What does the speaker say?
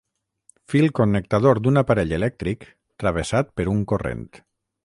Fil connectador d'un aparell elèctric, travessat per un corrent.